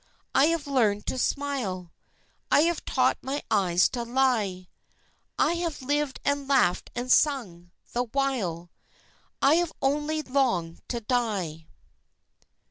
I have learned to smile, I have taught my eyes to lie, I have lived and laughed and sung the while I have only longed to die.